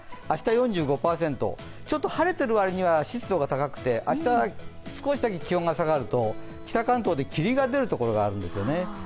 明日４５％、ちょっと晴れている割には湿度が高くて、明日、少しだけ気温が下がると北関東で霧が出るところがあるんですよね。